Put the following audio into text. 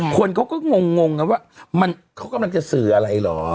คนเขาก็งงกันว่าเขากำลังจะสื่ออะไรเหรอ